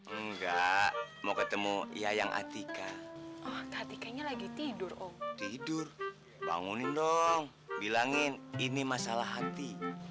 enggak mau ketemu yayang atika oh katikanya lagi tidur tidur bangunin dong bilangin ini masalah hati